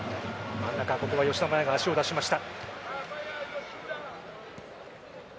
真ん中ここは吉田麻也が足を出しました。